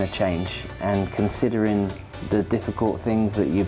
dan mengingatkan hal hal yang sulit yang anda lalui